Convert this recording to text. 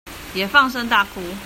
也放聲大哭